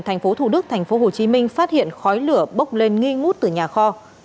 thành phố thủ đức thành phố hồ chí minh phát hiện khói lửa bốc lên nghi ngút từ nhà kho